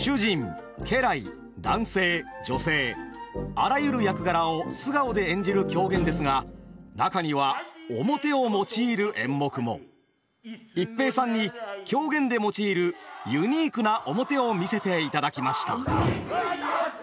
あらゆる役柄を素顔で演じる狂言ですが中には逸平さんに狂言で用いるユニークな面を見せていただきました。